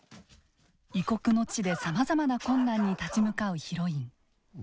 異国の地でさまざまな困難に立ち向かうヒロイン。